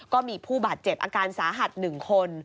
ก็มีผู้บาดเจ็บอาการสาหัส๑คน